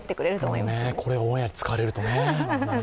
これオンエアで使われるとね。